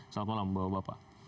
selamat malam bapak bapak